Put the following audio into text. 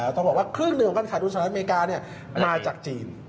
ต้องบอกว่าครึ่งหนึ่งของการขาดทุนสหรัฐอเมริกามาจากจีน